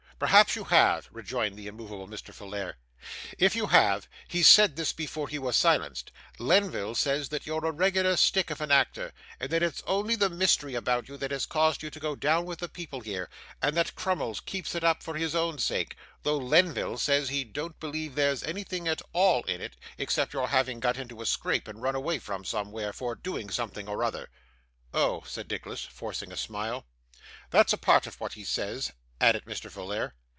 'Perhaps you have,' rejoined the immovable Mr. Folair; 'if you have, he said this before he was silenced: Lenville says that you're a regular stick of an actor, and that it's only the mystery about you that has caused you to go down with the people here, and that Crummles keeps it up for his own sake; though Lenville says he don't believe there's anything at all in it, except your having got into a scrape and run away from somewhere, for doing something or other.' 'Oh!' said Nicholas, forcing a smile. 'That's a part of what he says,' added Mr. Folair.